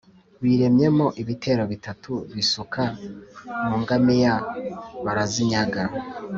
biremyemo ibitero bitatu bisuka mu ngamiya barazinyaga